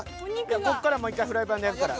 こっからもう１回フライパンで焼くから。